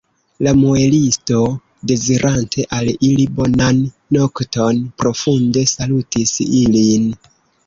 La muelisto, dezirante al ili bonan nokton, profunde salutis ilin.